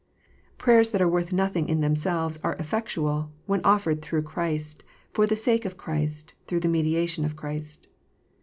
Prayers that are worth nothing in them selves are effectual, when offered " through Christ, for the sake of Christ, through the mediation of Christ."